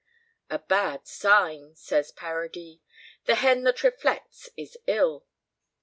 "A bad sign," says Paradis; "the hen that reflects is ill."